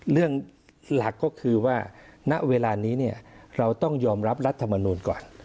หลักก็คือว่าณเวลานี้เนี่ยเราต้องยอมรับรัฐมนูลก่อน